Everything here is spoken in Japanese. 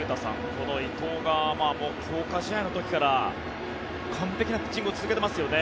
この伊藤が強化試合の時から完璧なピッチングを続けてますよね。